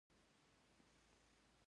د خوراکي توکو پروسس فابریکې شته